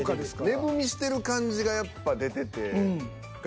値踏みしてる感じがやっぱ出てて。